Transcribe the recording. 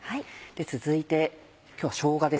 続いて今日はしょうがですね。